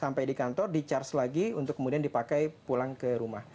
sampai di kantor di charge lagi untuk kemudian dipakai pulang ke rumah